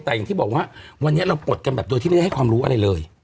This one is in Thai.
แต่อย่างที่บอกว่าวันนี้เราปลดกันแบบโดยที่ไม่ได้ให้ความรู้อะไรเลย